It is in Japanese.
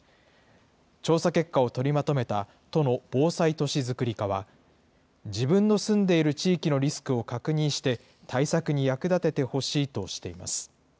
調査結果を取りまとめた都の防災都市づくり課は、自分の住んでいる地域のリスクを確認して、対策に役立ててほしいとしています。